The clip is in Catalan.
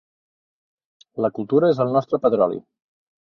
La cultura és el nostre petroli